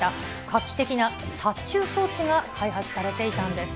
画期的な殺虫装置が開発されていたんです。